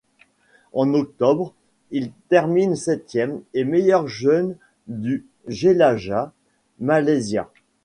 En octobre, il termine septième et meilleur jeune du Jelajah Malaysia.